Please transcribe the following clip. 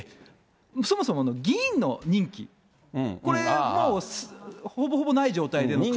そもそも議員の任期、これもう、ほぼほぼない状態で。